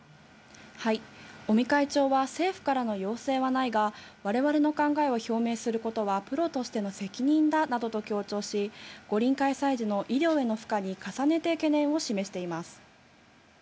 尾身会長は政府からの要請はないが、われわれの考えを表明することは、プロとしての責任だなどと強調し、五輪開催時の医療への負荷に重ねて懸念を示しています。